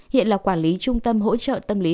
hiện là quản lý trung tâm hỗ trợ tâm lý